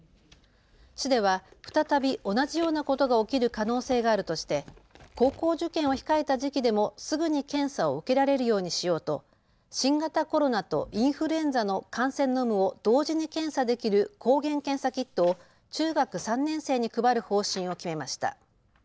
市では再び同じようなことが起きる可能性があるとして高校受験を控えた時期でもすぐに検査を受けられるようにしようと、新型コロナとインフルエンザの感染の有無を同時に検査できる抗原検査キットを中学３年生に配る方針を決めました。